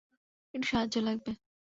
একটু সাহায্য লাগবে।